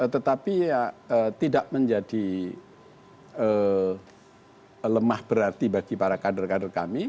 tetapi ya tidak menjadi lemah berarti bagi para kader kader kami